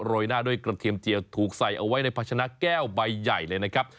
ยหน้าด้วยกระเทียมเจียวถูกใส่เอาไว้ในพัชนะแก้วใบใหญ่เลยนะครับ